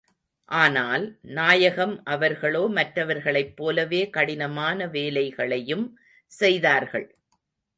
ஆனால், நாயகம் அவர்களோ மற்றவர்களைப் போலவே கடினமான வேலைகளையும் செய்தார்கள்.